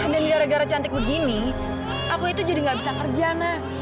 dan gara gara cantik begini aku itu jadi gak bisa kerja na